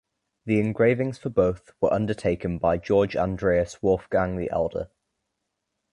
The engravings for both were undertaken by Georg Andreas Wolfgang the Elder.